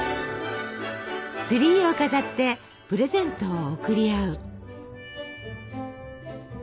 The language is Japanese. ツリーを飾ってプレゼントを贈り合う。